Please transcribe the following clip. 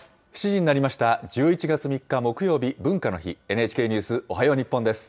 ７時になりました、１１月３日木曜日、文化の日、ＮＨＫニュースおはよう日本です。